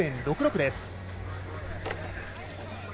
１６．６６です。